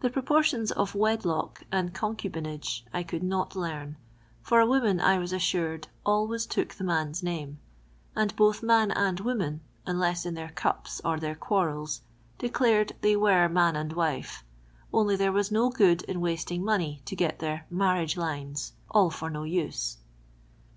The proportions of Wedlock and Concubinage I could not learn, for the woman, I was assured, always took the man's name; and both man and woman, unless in their cups or their quarrels, declared they were man and wife, only there was no good in wasting money to get their "marriage lines" all for no use.